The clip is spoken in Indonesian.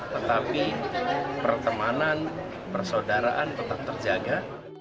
tetapi pertemanan persaudaraan tetap terjaga